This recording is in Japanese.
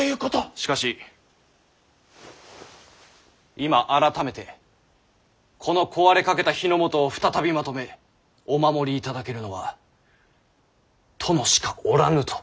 しかし今改めてこの壊れかけた日の本を再び纏めお守りいただけるのは殿しかおらぬと。